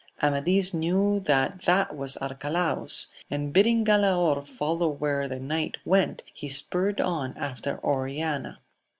Amadis knew that that was Arcalaus ; and bidding Galaor follow where the king went, he spurred on after Oriana.